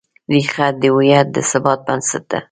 ریښه د هویت د ثبات بنسټ ده.